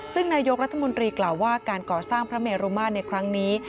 ซึ่งนายกรัฐมนตรีกล่าวว่าการก่อสร้างพระเมรุมาตรในครั้งนี้